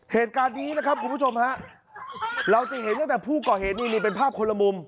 เหตุการณ์นี้นะครับคุณผู้ชมฮะเราจะเห็นตั้งแต่ผู้ก่อเหตุนี่นี่เป็นภาพคนละมุม